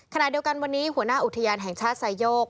ขณะเดียวกันวันนี้หัวหน้าอุทยานแห่งชาติไซโยก